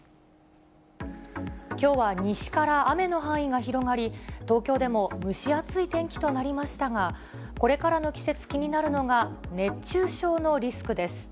きょうは西から雨の範囲が広がり、東京でも蒸し暑い天気となりましたが、これからの季節、気になるのが熱中症のリスクです。